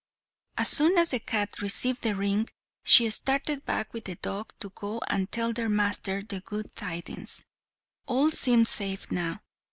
As soon as the cat received the ring, she started back with the dog to go and tell their master the good tidings. All seemed safe now.